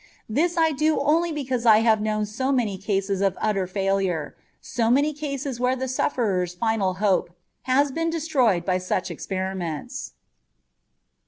This I do only because I have known so many cases of utter failure, so many cases where the sufferer's final hope has been destroyed by such experiments.